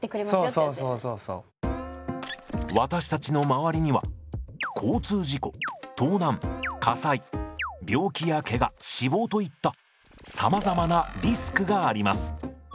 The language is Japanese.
私たちの周りには交通事故盗難火災病気やけが死亡といったさまざまなリスクがあります。